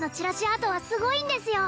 アートはすごいんですよ